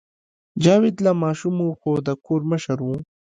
جاوید لا ماشوم و خو د کور مشر و